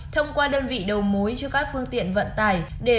thông qua đơn vị đầu mối cho các phương tiện vận tải